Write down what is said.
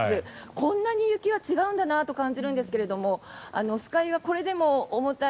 こんなに雪が違うんだなと感じるんですが酸ケ湯はこれでも重たい